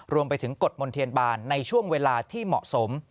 รวมไปถึงกฎมนเทียนบานในช่วงเวลาที่เหมาะสม